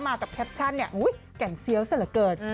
มากับแคปชั่นเนี่ยอุ้ยแก่งเซียวเสร็จเกิด